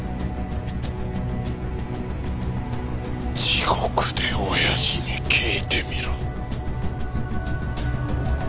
地獄で親父に聞いてみろ。